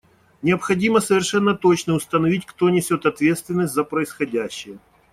Необходимо совершенно точно установить, кто несет ответственность за происходящее.